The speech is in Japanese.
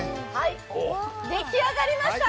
出来上がりました！